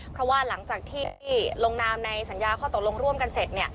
เพราะว่าหลังจากที่ลงนามในสัญญาข้อตกลงร่วมกันเสร็จ